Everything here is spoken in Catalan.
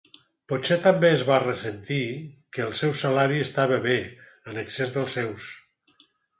Potser també es va ressentir que el seu salari estava bé en excés dels seus.